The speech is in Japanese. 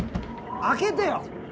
開けてよ！